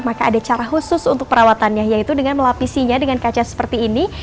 maka ada cara khusus untuk perawatannya yaitu dengan melapisinya dengan kaca seperti ini